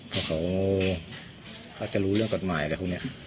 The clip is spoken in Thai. เพราะเขาจะรู้เรื่องกฎหมายอะไรพวกนี้